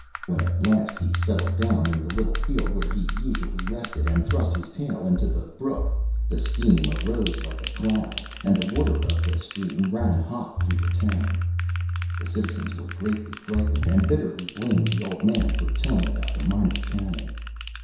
When at last he settled down in the little field where he usually rested, and thrust his tail into the brook, the steam arose like a cloud, and the water of the stream ran hot through the town. The citizens were greatly frightened, and bitterly blamed the old man for telling about the Minor Canon.